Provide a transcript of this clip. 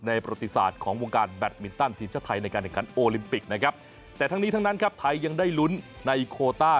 ในปฏิสารของวงการแบทมินทัลทีมชาติไทยในการกันดับโอลิมปิกนะครับแต่ทั้งนี้ทั้งนั้นเค้ายังได้รุ้นในคอร์ต้า